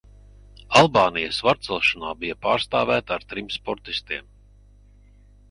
Albānija svarcelšanā bija pārstāvēta ar trim sportistiem.